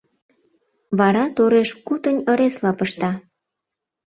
Вара тореш-кутынь ыресла пышта.